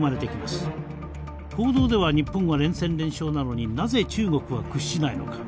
報道では日本は連戦連勝なのになぜ中国は屈しないのか。